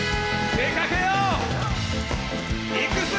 出かけよう！